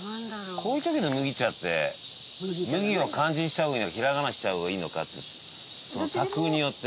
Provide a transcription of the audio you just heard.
こういう時の麦茶って「むぎ」を漢字にした方がいいのか平仮名にした方がいいのかその作風によって。